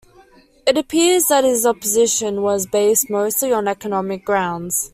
It appears that his opposition was based mostly on economic grounds.